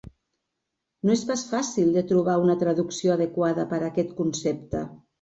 No és pas fàcil de trobar una traducció adequada per a aquest concepte.